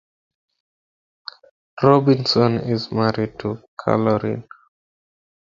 Robinson is married to Caroline.